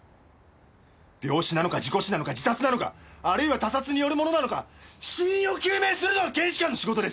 病死なのか事故死なのか自殺なのかあるいは他殺によるものなのか死因を究明するのが検視官の仕事です！